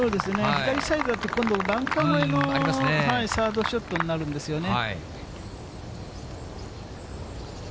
左サイドだと、今度、バンカー越えのサードショットになるんですよね。